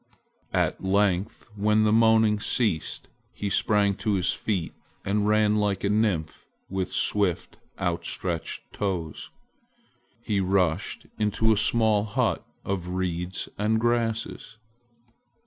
At length, when the moaning ceased, he sprang to his feet and ran like a nymph with swift outstretched toes. He rushed into a small hut of reeds and grasses.